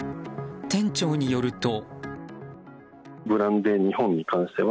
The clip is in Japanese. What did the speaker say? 店長によると。